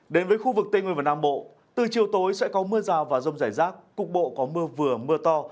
đến với khu vực tây nguyên và nam bộ từ chiều tối sẽ có mưa rào và rông rải rác cục bộ có mưa vừa mưa to